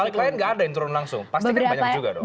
balik lain nggak ada yang turun langsung pasti kan banyak juga dong